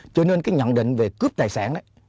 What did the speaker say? cho nên cái nhận định về cướp tài sản